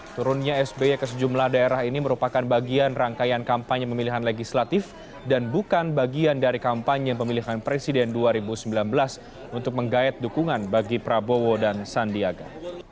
turunnya sby ke sejumlah daerah ini merupakan bagian rangkaian kampanye pemilihan legislatif dan bukan bagian dari kampanye pemilihan presiden dua ribu sembilan belas untuk menggayat dukungan bagi prabowo dan sandiaga